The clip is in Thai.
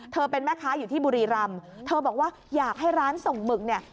เป็นแม่ค้าอยู่ที่บุรีรำเธอบอกว่าอยากให้ร้านส่งหมึกเนี่ย